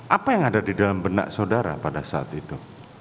apa yang ada di dalam benak saudara pada saat itu